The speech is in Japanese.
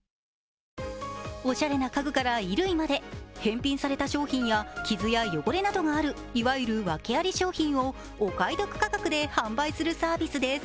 おしゃれな家具から衣類まで、返品された商品や傷や汚れなどがあるいわゆるワケあり商品をお買い得価格で販売するサービスです。